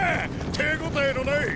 手応えのない。